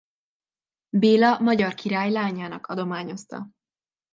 Béla magyar király lányának adományozta.